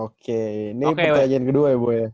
oke ini pertanyaan kedua ya bu ya